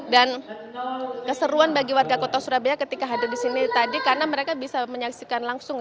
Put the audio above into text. dan keseruan bagi warga kota surabaya ketika hadir di sini tadi karena mereka bisa menyaksikan langsung